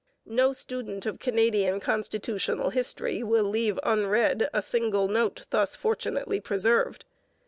No student of Canadian constitutional history will leave unread a single note thus fortunately preserved.